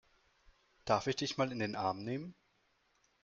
Darf ich dich mal in den Arm nehmen?